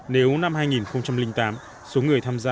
nếu năm hai nghìn tám số người tham gia bảo hiểm xã hội